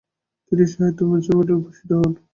তিনি সাহিত্যে বেনসন মেডেলে ভূষিত হন।